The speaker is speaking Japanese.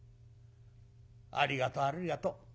ありがとうありがとう。